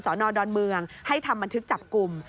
นอดอนเมืองให้ทำบันทึกจับกลุ่ม